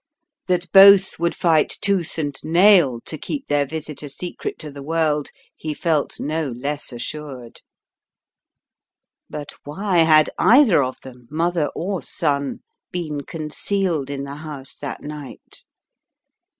That both would fight tooth and nail to keep their visit a secret to the world he felt no less assured. But why had either of them — mother or son — been concealed in the house that night?